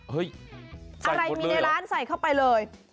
เฮ่ยใส่หมดเลยหรออะไรมีในร้านใส่เข้าไปเลย